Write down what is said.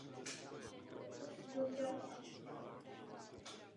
Z nádraží je vyvedena nákladní vlečka do přilehlé vápenky.